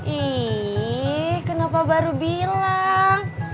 ih kenapa baru bilang